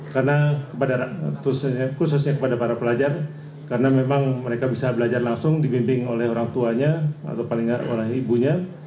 karena khususnya kepada para pelajar karena memang mereka bisa belajar langsung dibimbing oleh orang tuanya atau paling tidak oleh ibunya